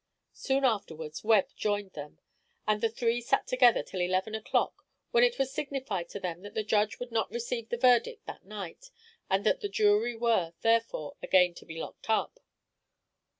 Soon afterwards Webb joined them, and the three sat together till eleven o'clock, when it was signified to them that the judge would not receive the verdict that night; and that the jury were, therefore, again to be locked up.